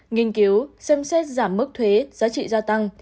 nghiên cứu xem xét giảm mức thuế giá trị gia tăng